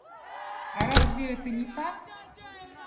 А разве это не так?